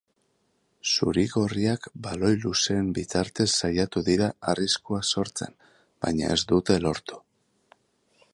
Zuri-gorriak baloi luzeen bitartez saiatu dira arriskua sortzen, baina ez dute lortu.